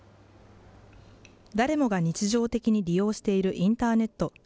誰もが日常的に利用しているインターネット。